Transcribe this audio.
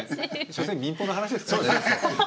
しょせん民放の話ですからね。